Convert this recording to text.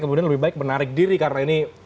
kemudian lebih baik menarik diri karena ini